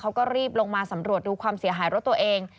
เขาก็รีบลงมาสำรวจดูความเสียหายรถตัวเอง